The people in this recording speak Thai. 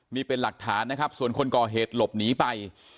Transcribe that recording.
นี่เป็นหลักฐานนะครับส่วนคนก่อเหตุหลบหนีไป